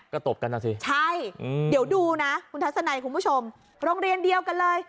ก็ตบกันนะสิใช่เดี๋ยวดูนะคุณทัศนัยคุณผู้ชมโรงเรียนเดียวกันเลย